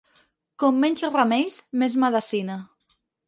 Com menys remeis, més medecina.